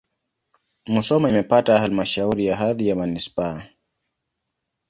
Musoma imepata halmashauri na hadhi ya manisipaa.